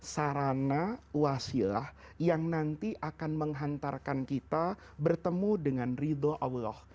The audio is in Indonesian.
sarana wasilah yang nanti akan menghantarkan kita bertemu dengan ridho allah